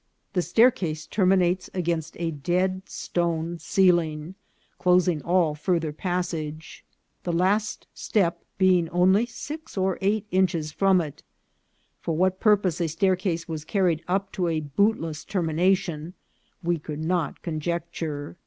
The staircase terminates against a dead stone ceiling, closing all farther passage, the last step being only six or eight inches from it. For what purpose a staircase was carried up to such a bootless termination we could not conjecture.